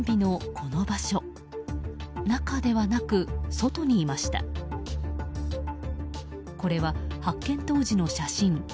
これは、発見当時の写真。